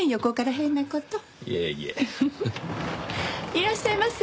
いらっしゃいませ。